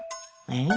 えっ。